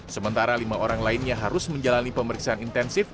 sementara lima orang lainnya harus menjalani pemeriksaan intensif